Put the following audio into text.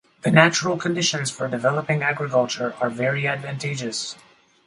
The natural conditions for developing agriculture are very advantageous.